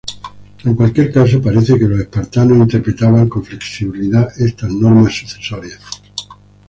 En cualquier caso, parece que los espartanos interpretaban con flexibilidad estas normas sucesorias.